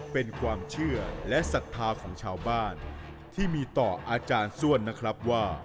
เป็นความเชื่อและศรัทธาของชาวบ้านที่มีต่ออาจารย์ส้วนนะครับว่า